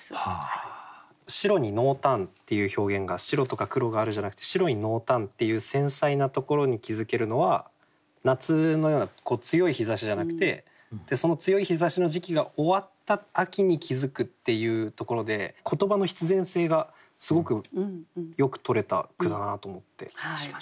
「白に濃淡」っていう表現が白とか黒があるじゃなくて白に濃淡っていう繊細なところに気付けるのは夏のような強い日ざしじゃなくてその強い日ざしの時期が終わった秋に気付くっていうところで言葉の必然性がすごくよくとれた句だなと思って上手だなと思いました。